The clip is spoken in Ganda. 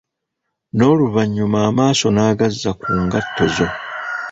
Noluvanyuma amaaso nagazza ku ngatto zo.